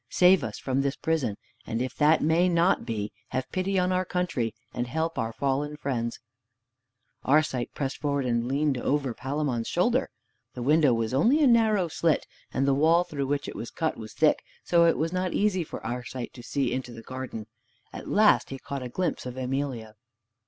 Save us from this prison, and if that may not be, have pity on our country and help our fallen friends." Arcite pressed forward and leant over Palamon's shoulder. The window was only a narrow slit, and the wall through which it was cut was thick, so it was not easy for Arcite to see into the garden. At last he caught a glimpse of Emelia.